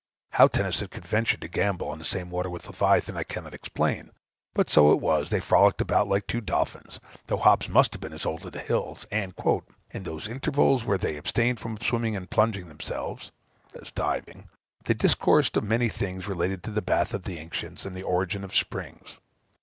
How Tennison could venture to gambol in the same water with Leviathan, I cannot explain; but so it was: they frolicked about like two dolphins, though Hobbes must have been as old as the hills; and "in those intervals wherein they abstained from swimming and plunging themselves," [i.e., diving,] "they discoursed of many things relating to the Baths of the Ancients, and the Origine of Springs.